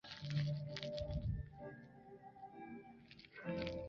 钝叶短柱茶为山茶科山茶属的植物。